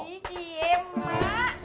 ih iya emak